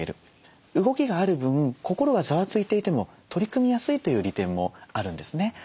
動きがある分心がざわついていても取り組みやすいという利点もあるんですね。